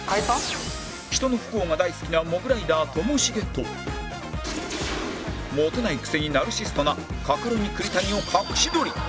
人の不幸が大好きなモグライダーともしげとモテないくせにナルシストなカカロニ栗谷を隠し撮り